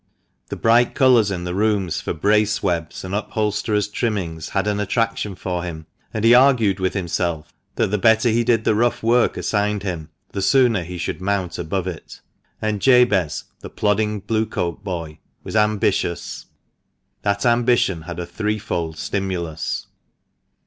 The bright colours in the rooms for brace webs and upholsterers' trimmings had an attraction for him, and he argued with himself that the better he did the rough work assigned him the sooner he should mount above it. And Jabez, the plodding Blue coat boy, was ambitious. That ambition had a threefold stimulus.